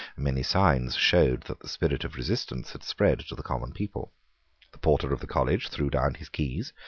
Many signs showed that the spirit of resistance had spread to the common people. The porter of the college threw down his keys.